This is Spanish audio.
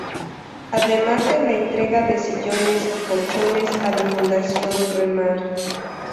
Además de la entrega de sillones y colchones a la Fundación Remar.